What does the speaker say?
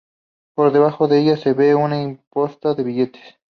Por debajo de ellas se ve una imposta de billetes.